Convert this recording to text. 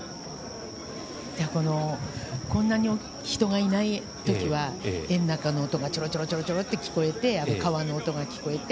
こんなに人がいない時はエンナカの音がちょろちょろちょろって聞こえて川の音が聞こえて